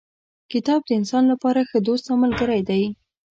کتاب د انسان لپاره ښه دوست او ملګری دی.